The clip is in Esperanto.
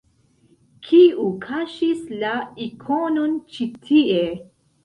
Kiu kaŝis la ikonon ĉi tie?